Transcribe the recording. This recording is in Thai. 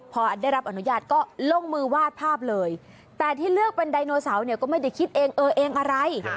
พอได้รับอนุญาตก็ลงมือวาดภาพเลยแต่ที่เลือกเป็นไดโนเสาร์เนี่ยก็ไม่ได้คิดเองเออเองอะไร